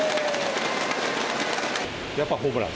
やっぱホームラン。